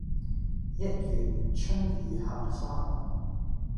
一園春雨杏花紅